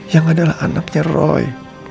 yang adalah anaknya roy